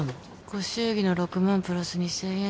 ご祝儀の６万プラス２千円